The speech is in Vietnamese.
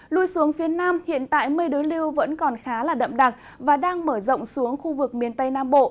lui xuống phía nam hiện tại mây đối lưu vẫn còn khá là đậm đặc và đang mở rộng xuống khu vực miền tây nam bộ